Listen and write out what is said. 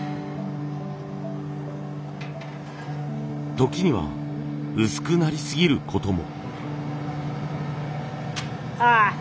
時には薄くなりすぎることも。